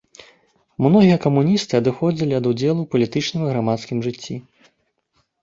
Многія камуністы адыходзілі ад удзелу ў палітычным і грамадскім жыцці.